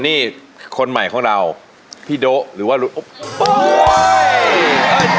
นี่คนใหม่ของเราพี่โดะหรือว่าลุงอุ๊บ